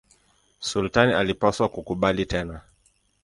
Sultani alipaswa kukubali tena.